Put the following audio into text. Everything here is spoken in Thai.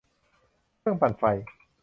เครื่องปั่นไฟ